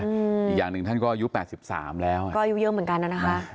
อีกอย่างหนึ่งท่านก็อายุแปดสิบสามแล้วก็อายุเยอะเหมือนกันน่ะนะคะ